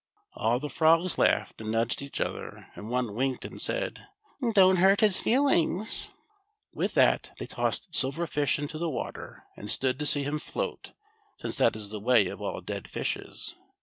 All the frogs laughed and nudged each other, and one winked and said, "Don't hurt his feelings!" With that they tossed Silver Fish into the water, 44 THE SILVER FISH. and stood to see him float, since that is the way of all dead fishes.